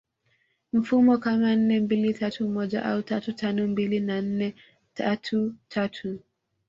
mfumo kama nne mbili tatu moja au tatu tano mbili na nne tatu tatu